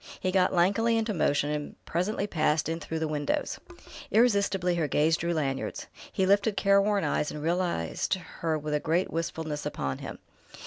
He got lankily into motion and presently passed in through the windows.... Irresistibly her gaze drew Lanyard's. He lifted careworn eyes and realized her with a great wistfulness upon him.